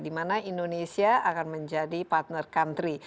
dimana indonesia akan menjadi partner country